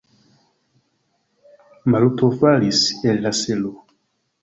Maluto falis el la selo.